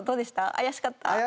怪しかったです。